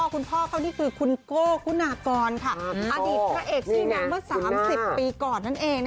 คุณพ่อเขานี่คือคุณโก้คุณากรอดีตพระเอกชื่อดังเมื่อ๓๐ปีก่อนนั่นเอง